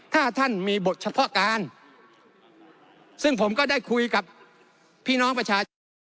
ถ้าท่านมีบทเฉพาะการซึ่งผมก็ได้คุยกับพี่น้องประชาชน